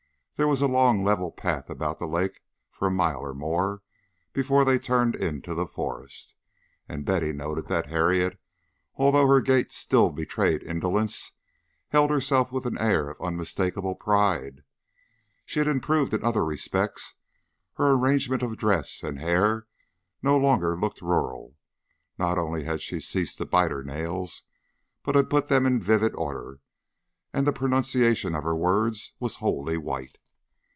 There was a long level path about the lake for a mile or more before they turned into the forest, and Betty noted that Harriet, although her gait still betrayed indolence, held herself with an air of unmistakable pride. She had improved in other respects; her arrangement of dress and hair no longer looked rural, she not only had ceased to bite her nails, but had put them in vivid order, and the pronunciation of her words was wholly white.